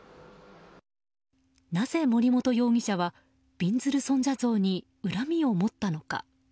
なぜ森本容疑者はびんずる尊者像に恨みを持ったのか。